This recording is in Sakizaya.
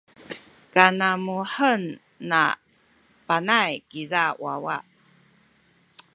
kanamuhen na Panay kiza wawa.